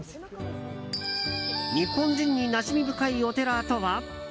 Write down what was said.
日本人になじみ深いお寺とは？